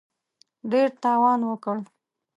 ډېر تاوان وکړ.